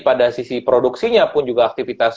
pada sisi produksinya pun juga aktivitas